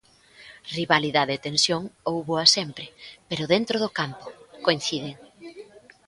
"Rivalidade e tensión hóuboa sempre, pero dentro do campo", coinciden.